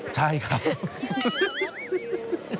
ใช่ครับ